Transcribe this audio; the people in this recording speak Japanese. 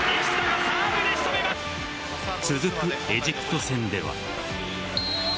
続くエジプト戦では。